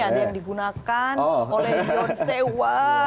ada yang digunakan oleh beyonce wow